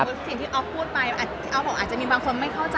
อ๊อคบอกว่าอาจจะมีบางคนไม่เข้าใจ